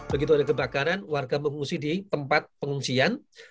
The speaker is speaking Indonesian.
begitu ada kebakaran warga mengungsi di tempat pengungsian